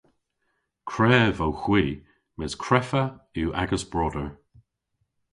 Krev owgh hwi mes kreffa yw agas broder.